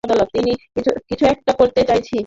কিছু একটা করতে চাইছি।